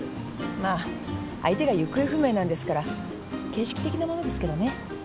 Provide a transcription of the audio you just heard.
まあ相手が行方不明なんですから形式的なものですけどね。